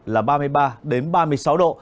là ba mươi ba đến ba mươi sáu độ